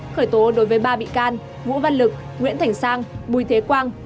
khởi tố đối với ba bị can vũ văn lực nguyễn thành sang bùi thế quang